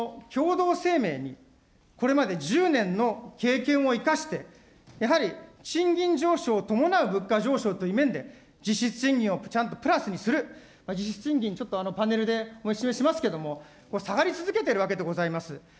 黒田総裁、改めて、共同声明にこれまで１０年の経験を生かして、やはり賃金上昇を伴う物価上昇という面で、実質賃金をちゃんとプラスにする、実質賃金、ちょっとパネルでお示ししますけれども、下がり続けているわけでございます。